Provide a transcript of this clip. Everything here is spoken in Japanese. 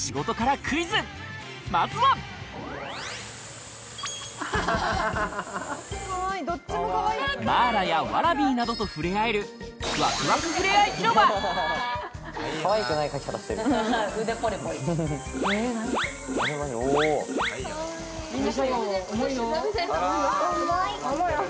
まずはマーラやワラビーなどと触れ合える重いよ。